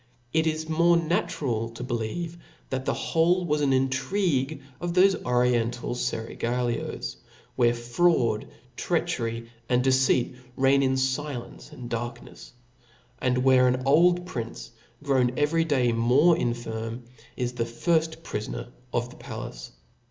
It is more naturd to be^ Chap.' 14. Jicvc, that the whole was an intcigue of thofe orien tal i^raglioes, where fraud, treachery, and deceit reign in fiience and darknefs 1 and where an olc) prince, grown every day wore infirm, i$ the firft prifoper of the palace.